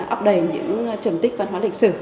ấp đầy những trầm tích văn hóa lịch sử